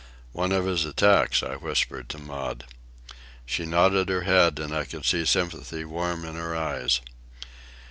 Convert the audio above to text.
"One of his attacks," I whispered to Maud. She nodded her head; and I could see sympathy warm in her eyes.